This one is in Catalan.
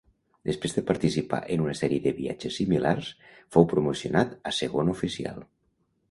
Després de participar en una sèrie de viatges similars fou promocionat a segon oficial.